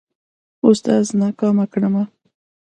اوستاذ ناکامه کړمه.